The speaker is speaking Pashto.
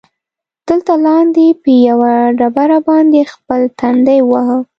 دلته لاندې، په یوه ډبره باندې خپل تندی ووهه.